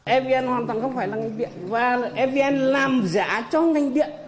evn hoàn toàn không phải là ngành điện và evn làm giá cho ngành điện